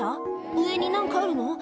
上に何かあるの？